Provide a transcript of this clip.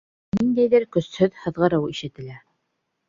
Ниндәйҙер көсһөҙ һыҙғырыу ишетелә